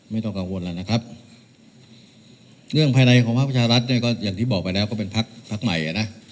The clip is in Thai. ไม่ต้องกังวลแล้วนะครับเรื่องภายในของภาคประชารัฐเนี่ยก็อย่างที่บอกไปแล้วก็เป็นพักพักใหม่อ่ะนะ